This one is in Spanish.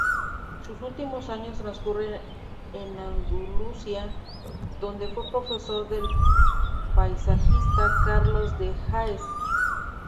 Sus últimos años transcurren en Andalucía, donde fue profesor del paisajista Carlos de Haes.